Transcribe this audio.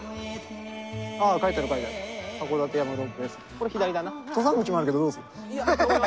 これ左だな。